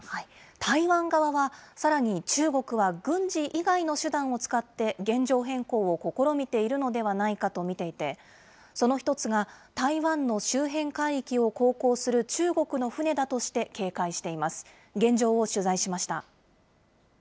台湾側は、さらに、中国は軍事以外の手段を使って、現状変更を試みているのではないかと見ていて、その一つが、台湾の周辺海域を航行する中国の船だとして、警戒しています。